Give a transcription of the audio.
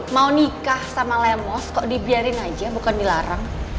mau nikah sama lemos kok dibiarin aja bukan dilarang